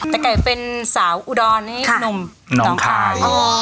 แต่ไก่เป็นสาวอุดรนน้องคาย